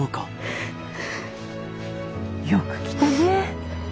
よく来たね。